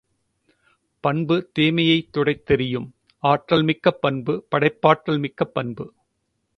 பண்பு, தீமையைத் துடைத் தெறியும் ஆற்றல் மிக்க பண்பு படைப்பாற்றல் மிக்க பண்பு.